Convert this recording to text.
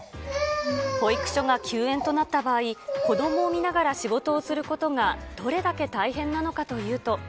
保育所が休園となった場合、子どもを見ながら仕事をすることがどれだけ大変なのかというと。